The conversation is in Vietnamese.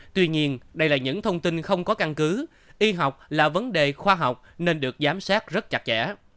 tuy nhiên đây là những thông tin không có căn cứ y học là vấn đề khoa học nên được giám sát rất chặt chẽ